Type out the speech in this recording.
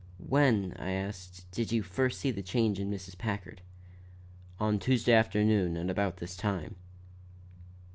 "When," I asked, "did you first see the change in Mrs. Packard?" "On Tuesday afternoon at about this time."